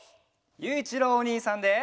ゆういちろうおにいさんで。